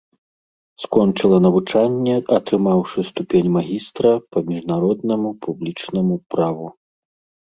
Скончыла навучанне, атрымаўшы ступень магістра па міжнароднаму публічнаму праву.